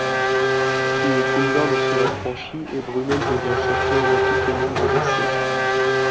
Plus aucune barre ne sera franchie et Brumel devient champion olympique au nombre d'essais.